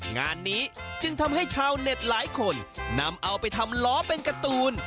งานนี้จึงทำให้ชาวเน็ตหลายคนนำเอาไปทำล้อเป็นการ์ตูน